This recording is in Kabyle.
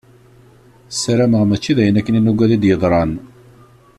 Ssarameɣ mačči d ayen akken i nuggad i d-yeḍran.